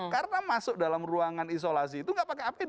karena masuk dalam ruangan isolasi itu tidak pakai apd